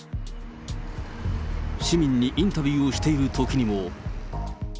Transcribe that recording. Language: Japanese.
市民にインタビューをしているときにも。